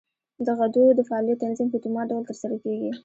د غدو د فعالیت تنظیم په اتومات ډول تر سره کېږي.